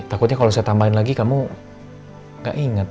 takutnya kalau saya tambahin lagi kamu gak ingat